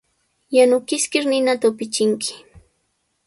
Yanukiskir ninata upichinki.